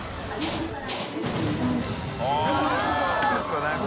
◆舛叩ちょっと何か。